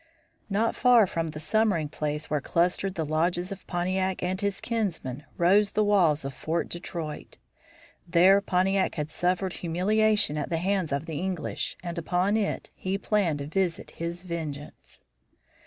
Not far from the summering place where clustered the lodges of Pontiac and his kinsmen rose the walls of Fort Detroit. There Pontiac had suffered humiliation at the hands of the English, and upon it he planned to visit his vengeance.